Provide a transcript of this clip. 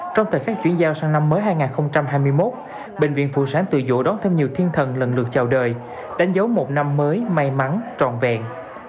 trong thời khắc chuyển giao sang năm mới hai nghìn hai mươi một bệnh viện phụ sản từ dũ đón thêm nhiều thiên thần lần lượt chào đời đánh dấu một năm mới may mắn trọn vẹn